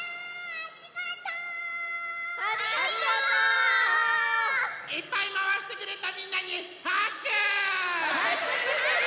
ありがとう！いっぱいまわしてくれたみんなにはくしゅ！